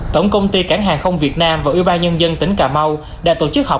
tổng công ty cảng hàng không việt nam và ủy ban nhân dân tỉnh cà mau đã tổ chức họp